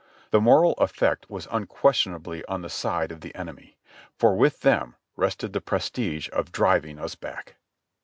The moral effect was unquestionably on the side of the enemy, for with them rested the prestige of driving us back.